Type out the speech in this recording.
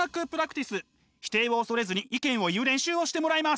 否定を恐れずに意見を言う練習をしてもらいます。